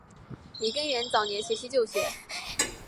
李根源早年学习旧学。